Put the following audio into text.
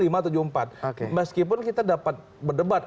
meskipun kita dapat berdebat